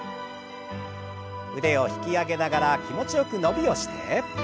腕を引き上げながら気持ちよく伸びをして。